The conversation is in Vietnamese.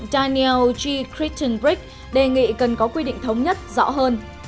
dựng daniel g crittenbrick đề nghị cần có quy định thống nhất rõ hơn